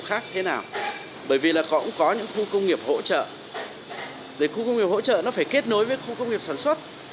các khu công nghiệp khác thế nào bởi vì có những khu công nghiệp hỗ trợ khu công nghiệp hỗ trợ nó phải kết nối với khu công nghiệp sản xuất